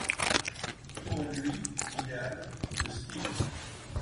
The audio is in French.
Pour lui, l'idéal, le style